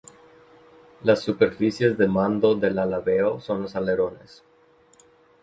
Las superficies de mando del alabeo son los alerones.